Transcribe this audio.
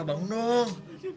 kak bangun dong